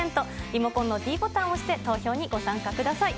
リモコンのｄボタンを押して投票にご参加ください。